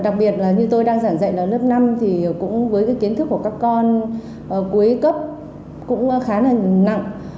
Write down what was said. chúng tôi đang giảng dạy là lớp năm thì cũng với cái kiến thức của các con cuối cấp cũng khá là nặng